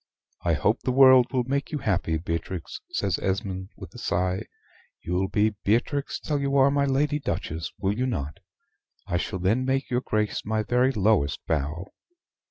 "I hope the world will make you happy, Beatrix," says Esmond, with a sigh. "You'll be Beatrix till you are my Lady Duchess will you not? I shall then make your Grace my very lowest bow."